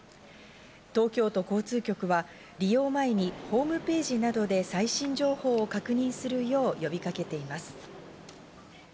東京都交通局は利用前にホームページなどで最新情報を確認するよう呼びかけています。